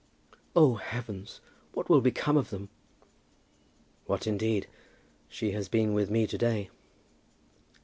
"Oh, heavens! what will become of them?" "What indeed? She has been with me to day."